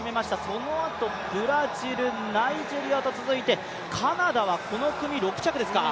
そのあと、ブラジル、ナイジェリアと続いて、カナダはこの組６着ですか。